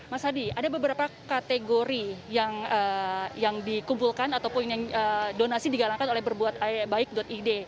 mas hadi ada beberapa kategori yang dikumpulkan ataupun yang donasi digalangkan oleh berbuatbaik id